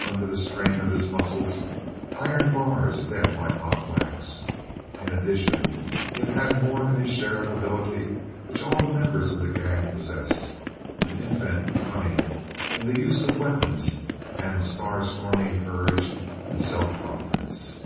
Under the strain of his muscles, iron bars bent like hot wax. In addition he had more than his share of an ability which all the members of the gang possessed an infinite cunning in the use of weapons and a star storming courage and self confidence.